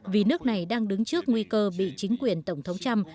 vì nước này đang đứng trước nguy cơ bị chính quyền tổng thống trump